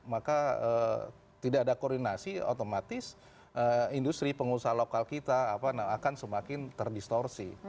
maka tidak ada koordinasi otomatis industri pengusaha lokal kita akan semakin terdistorsi